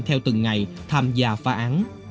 theo từng ngày tham gia phá án